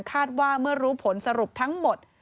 คาดว่าเมื่อรู้ผลสรุปทั้งหมด